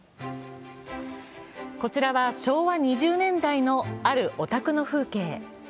こちらは昭和２０年代の、あるお宅の風景。